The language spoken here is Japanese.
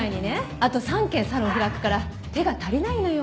あと３軒サロンを開くから手が足りないのよ。